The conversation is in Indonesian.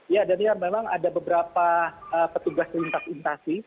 ya daniel memang ada beberapa petugas terintas imitasi